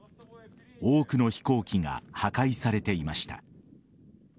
多くの飛行機が破壊されていました。